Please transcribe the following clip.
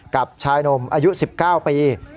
กับชายหนุ่มอายุ๑๙ปี